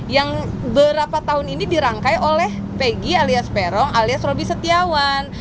yang berapa tahun ini dirangkai oleh pegi alias peron alias roby setiawan